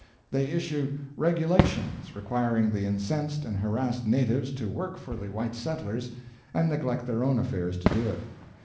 They issue "regulations" requiring the incensed and harassed natives to work for the white settlers, and neglect their own affairs to do it.